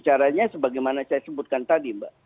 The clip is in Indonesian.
caranya sebagaimana saya sebutkan tadi mbak